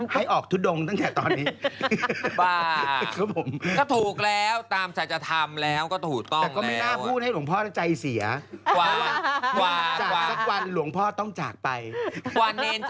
ให้ออกทุดดงตั้งแต่ตอนนี้บ้าครับผมก็ถูกแล้วตามศักดิ์ธรรมแล้วก็ถูกต้องแล้ว